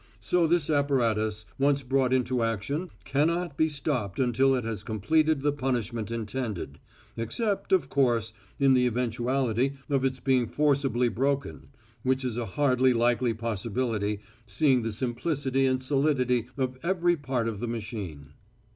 So this apparatus, once brought into action, cannot be stopped until it has completed the punishment intended except, of course, in the eventuality of its being forcibly broken, which is a hardly likely possibility seeing the simplicity and solidity of every part of the machine.